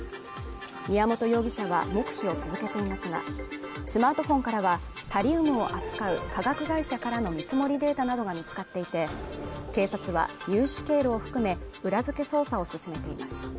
宮本容疑者は黙秘を続けていますが、スマートフォンからはタリウムを扱う化学会社からの見積もりデータなどが見つかっていて、警察は入手経路を含め、裏付け捜査を進めています。